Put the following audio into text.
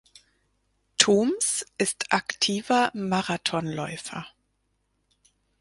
Thoms ist aktiver Marathonläufer.